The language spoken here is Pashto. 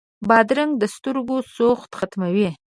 بادرنګ د سترګو سوخت ختموي.